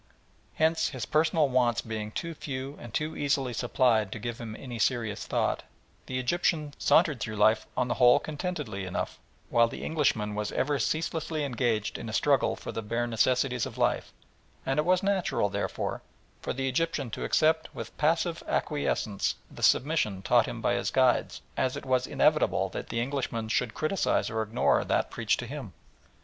Hence his personal wants being too few and too easily supplied to give him any serious thought, the Egyptian sauntered through life on the whole contentedly enough, while the Englishman was ever ceaselessly engaged in a struggle for the bare necessaries of life; and it was as natural, therefore, for the Egyptian to accept with passive acquiescence the submission taught him by his guides, as it was inevitable that the Englishman should criticise or ignore that preached to him.